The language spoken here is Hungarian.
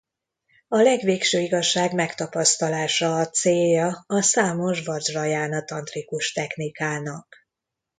A legvégső igazság megtapasztalása a célja a számos vadzsrajána tantrikus technikának.